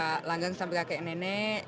pak langgang sampai kakek nenek